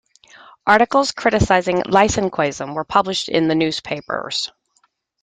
Articles criticizing Lysenkoism were published in newspapers.